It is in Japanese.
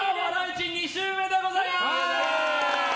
市、２周目でございます！